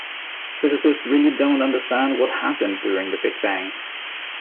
Physicists really don't understand what happened during the big bang